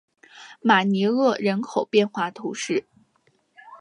马尼厄人口变化图示